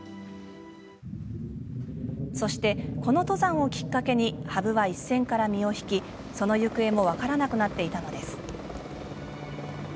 そして、この登山をきっかけに羽生は一線から身を引きその行方も分からなくなっていたのです。